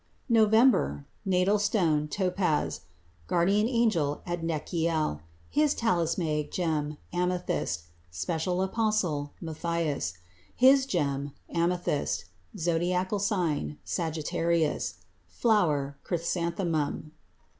NOVEMBER Natal stone Topaz. Guardian angel Adnachiel. His talismanic gem Amethyst. Special apostle Matthias. His gem Amethyst. Zodiacal sign Sagittarius. Flower Chrysanthemum.